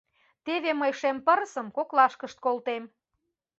Теве мый шем пырысым коклашкышт колтем».